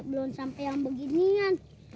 belum sampai yang beginian